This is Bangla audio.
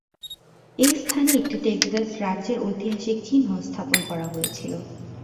এই স্থানে একটি টেক্সাস রাজ্যের ঐতিহাসিক চিহ্ন স্থাপন করা হয়েছিল।